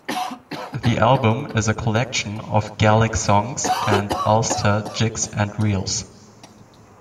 The album is a collection of Gaelic songs and Ulster jigs and reels.